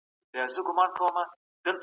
سکون د زړه په صفا کې دی.